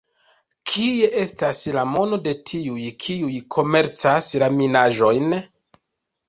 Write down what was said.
Kie estas la mono de tiuj kiuj komercas la minaĵojn?